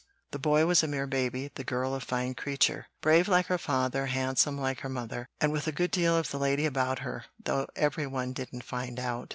The boy was a mere baby; the girl a fine creature, brave like her father, handsome like her mother, and with a good deal of the lady about her, though every one didn't find it out."